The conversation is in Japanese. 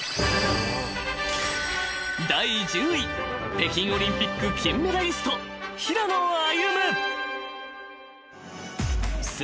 ［北京オリンピック金メダリスト平野歩夢］